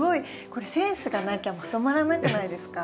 これセンスがなきゃまとまらなくないですか？